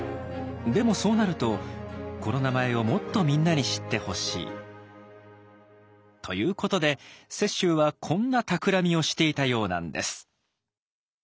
でもそうなるとこの名前をもっとみんなに知ってほしい。ということで雪舟はこんなたくらみをしていたようなんです。